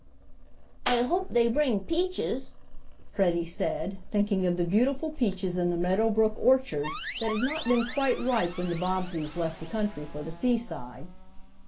"I hope they bring peaches," Freddie said, thinking of the beautiful peaches in the Meadow Brook orchard that had not been quite ripe when the Bobbseys left the country for the seaside.